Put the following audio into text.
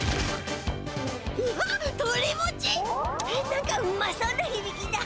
何かうまそうなひびきだ。